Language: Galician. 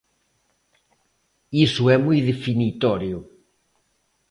Iso é moi definitorio.